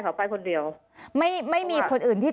มันเป็นแบบที่สุดท้าย